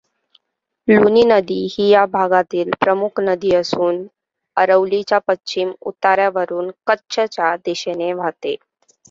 लुनी नदी ही या भागातील प्रमुख नदी असून अरवलीच्या पश्चिम उतारावरून कच्छच्या दिशेने वाहते.